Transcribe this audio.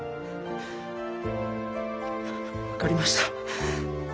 分かりました。